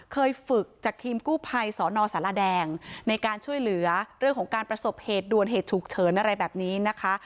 เคยฝึกจากทีมกู้ภัยสนสารแดงในการช่วยเหลือเรื่องของการประสบเหตุด่วนเหตุฉุกเฉินอะไรแบบนี้นะคะ